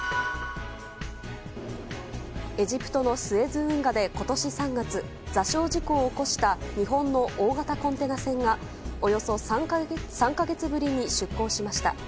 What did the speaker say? エジプトのスエズ運河で今年３月座礁事故を起こした日本の大型コンテナ船がおよそ３か月ぶりに出航しました。